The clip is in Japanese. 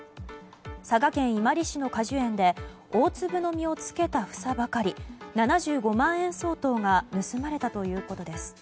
佐賀県伊万里市の果樹園で大粒の実をつけた房ばかり７５万円相当が盗まれたということです。